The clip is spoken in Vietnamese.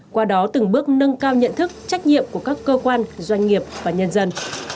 qua đó từng bước nâng cao nhận thức trách nhiệm của các cơ quan doanh nghiệp và nhân dân